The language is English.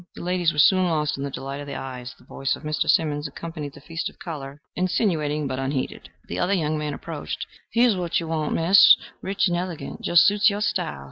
The ladies were soon lost in the delight of the eyes. The voice of Mr. Simmons accompanied the feast of color, insinuating but unheeded. The other young man approached: "Here is what you want, miss rich and elegant. Just suits your style.